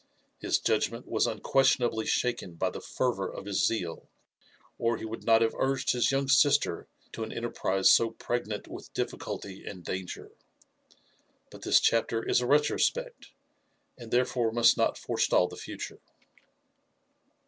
His judgment was unquestionably shaken by the fervour of his zeal, or he would not have urged his young sister to an enterprise so pregnant with difficulty and danger. But this chapter is a retrospect, and therefore must not forestall the future.